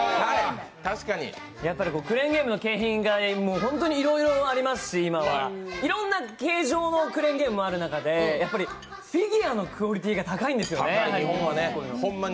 やっぱりクレーンゲームの景品が、本当にいろいろありますしいろんな形状のクレーンゲームがある中でフィギュアのクオリティが高いんですよね、日本は。